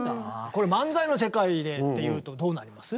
これ漫才の世界でっていうとどうなります？